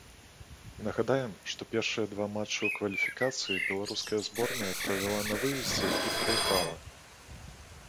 Нагадаем, што першыя два матчы ў кваліфікацыі беларуская зборнай правяла на выездзе і прайграла.